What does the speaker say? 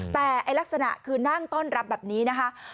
แต่ลักษณะคือนั่งต้อนรับแบบนี้นะคะ